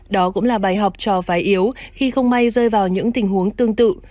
đó cũng là bài học cho phái yếu khi không may rơi vào những tình huống tương tự